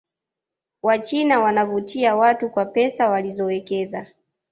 wachina wanavutia watu kwa pesa walizowekeza